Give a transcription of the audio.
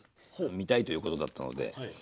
見たいということだったので。